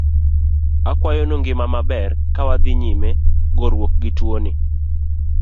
Akwayonu ngima maber, kawadhi nyime goruok gi tuoni.